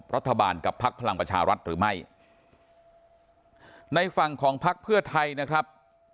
รัฐบาลกับพักพลังประชารัฐหรือไม่ในฝั่งของพักเพื่อไทยนะครับ